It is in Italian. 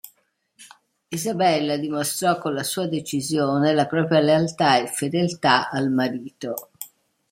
Isabella dimostrò con la sua decisione la propria lealtà e fedeltà al marito.